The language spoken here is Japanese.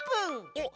おっ？